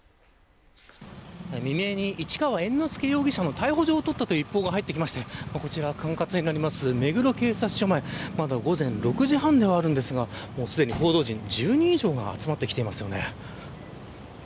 未明に、市川猿之助容疑者の逮捕状を取ったという一報が入ってきまして管轄になる目黒警察署前には午後６時半前ですがすでに報道陣１０人以上が集まってきています。